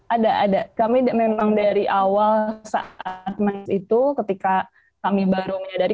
ada ada kami memang dari awal saat itu ketika kami baru menyadari